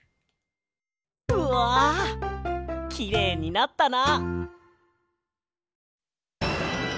うわきれいになったな！